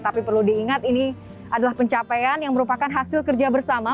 tapi perlu diingat ini adalah pencapaian yang merupakan hasil kerja bersama